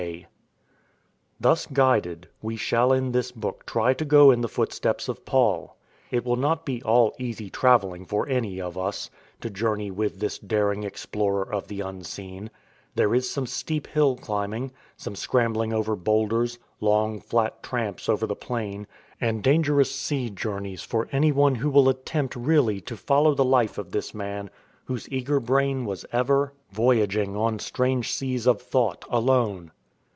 a. Thus guided, we shall in this book try to go in the footsteps of Paul. It will not be all easy travelling for any of us, to journey with this daring explorer of the Unseen; there is some steep hill climbing, some scrambling over boulders, long flat tramps over the plain, and dangerous sea journeys for anyone who will attempt really to follow the life of this man whose eager brain was ever; INTRODUCTION 13 "Voyaging on strange seas of thought Alone